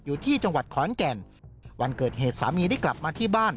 อยู่ที่จังหวัดขอนแก่นวันเกิดเหตุสามีได้กลับมาที่บ้าน